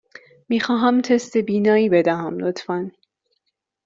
می خواهم تست بینایی بدهم، لطفاً.